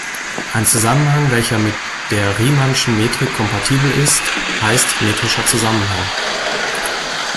Ein Zusammenhang, welcher mit der riemannschen Metrik kompatibel ist, heißt metrischer Zusammenhang.